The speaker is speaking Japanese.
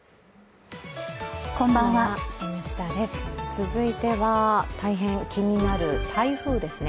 続いては大変気になる台風ですね。